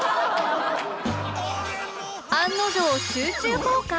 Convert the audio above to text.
案の定集中砲火？